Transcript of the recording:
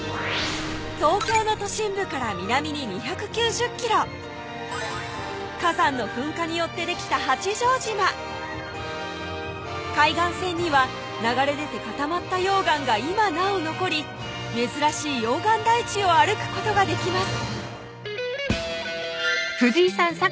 東京の都心部から南に２９０ｋｍ火山の噴火によってできた八丈島海岸線には流れ出て固まった溶岩が今なお残り珍しい溶岩台地を歩くことができます